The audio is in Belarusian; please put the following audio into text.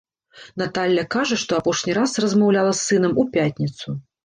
Наталля кажа, што апошні раз размаўляла з сынам у пятніцу.